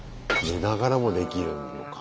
寝ながらもできるのか。